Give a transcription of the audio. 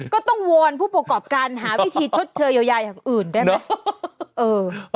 ก็ต้องวอนผู้ประกอบการหาวิธีชดเชยเยียวยาอย่างอื่นได้ไหม